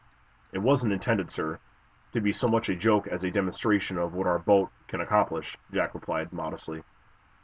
"It wasn't intended, sir, to be so much a joke as a demonstration of what our boat can accomplish," Jack replied, modestly.